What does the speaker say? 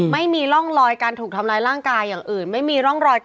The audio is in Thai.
ไม่มีล่องรอยการถูกทำร้ายร่างกายอย่างอื่นไม่มี